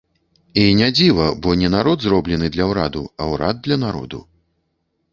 І не дзіва, бо не народ зроблены для ўраду, а ўрад для народу.